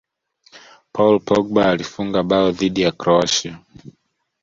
paul pogba alifunga bao dhidi ya Croatia